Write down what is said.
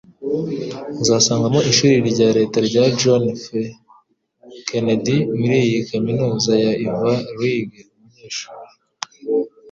Uzasangamo ishuri rya leta rya John F. Kennedy muri iyi kaminuza ya Ivy League, umunyeshuri